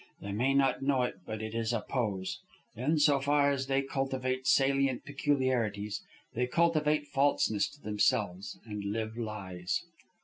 They may not know it, but it is a pose. In so far as they cultivate salient peculiarities, they cultivate falseness to themselves and live lies."